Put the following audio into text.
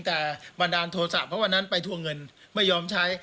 แต่บรรดาโทรศัพท์เพราะว่านั้นไปทวงเงินไม่ยอมใช้